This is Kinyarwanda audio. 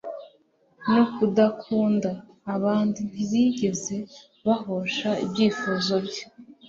no kudakunda abandi Ntibigeze bahosha ibyifuzo bye